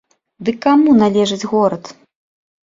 Дык каму належыць горад?